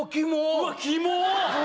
うわっキモッ！